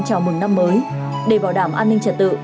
chào mừng năm mới để bảo đảm an ninh trật tự